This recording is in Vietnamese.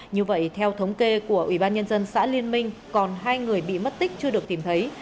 như vậy theo thống kê của ubnd xã liên minh còn hai người bị mất tích chưa được tìm thấy